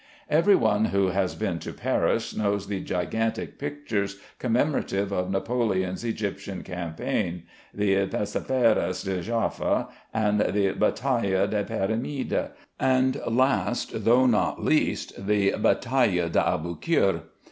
Every one who has been to Paris knows the gigantic pictures commemorative of Napoleon's Egyptian campaign, the "Pestiferés de Jaffa," the "Battaille des Pyramides," and last, though not least, the "Battaille d'Aboukir."